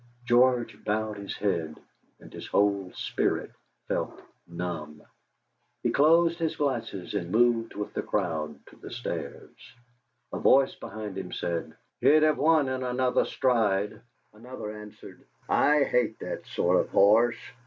George bowed his head, and his whole spirit felt numb. He closed his glasses and moved with the crowd to the stairs. A voice behind him said: "He'd have won in another stride!" Another answered: "I hate that sort of horse.